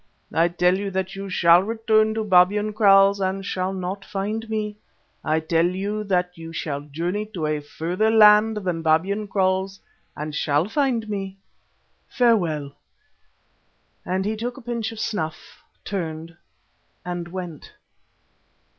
I tell you that you shall return to Babyan Kraals and shall not find me. I tell you that you shall journey to a further land than Babyan Kraals and shall find me. Farewell!" and he took a pinch of snuff, turned, and went.